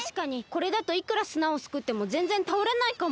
これだといくらすなをすくってもぜんぜんたおれないかも。